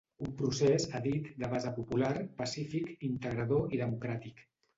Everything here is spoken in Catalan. Un procés, ha dit, de base popular, pacífic, integrador i democràtic.